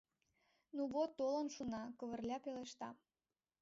— Ну вот, толын шуна, — Кавырля пелешта.